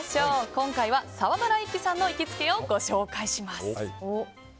今回は、沢村一樹さんの行きつけをご紹介します。